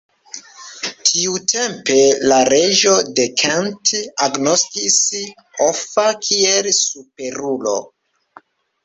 Tiutempe la reĝo de Kent agnoskis Offa kiel superulo.